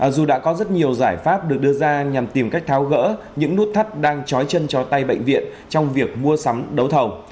dù đã có rất nhiều giải pháp được đưa ra nhằm tìm cách tháo gỡ những nút thắt đang trói chân cho tay bệnh viện trong việc mua sắm đấu thầu